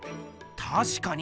たしかに！